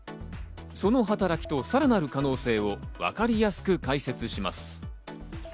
その働きとさらなる可能性をわかりやすく解説します。